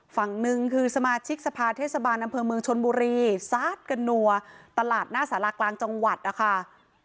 ฝั่งหนึ่งคือสมาชิกสภาเทศบาลอำเภอเมืองชนบุรีซาดกันนัวตลาดหน้าสารากลางจังหวัดนะคะ